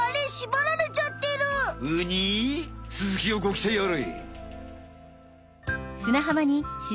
つづきをごきたいあれ。